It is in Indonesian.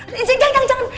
jangan jangan jangan